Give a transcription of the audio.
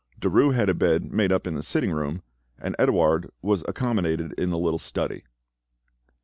Derues had a bed made up in the sitting room, and Edouard was accommodated in the little study.